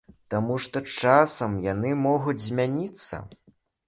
Таму што часам яны могуць змяніцца.